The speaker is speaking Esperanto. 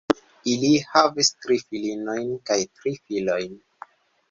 Ili havis tri filinojn kaj tri filojn.